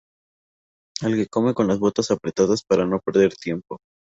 El que come con las botas apretadas para no perder tiempo.